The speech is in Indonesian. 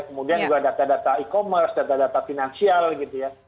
kemudian juga data data e commerce data data finansial gitu ya